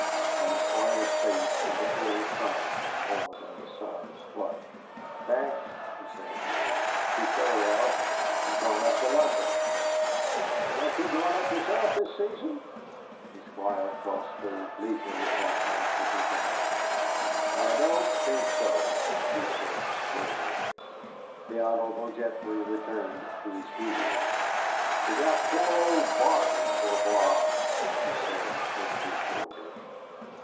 On the Squire's face in the full sun was more than the sun's flush. "Thanks," he said, "she's very well. She's gone up to London." "And aren't you going up yourself this season?" The Squire crossed those leisurely eyes with his own. "I don't think so," he said slowly. The Hon. Geoffrey returned to his duties. "We got poor old Barter for a 'blob'." he said over his shoulder.